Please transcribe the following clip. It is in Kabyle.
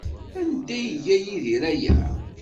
Anda ay iga Yidir aya?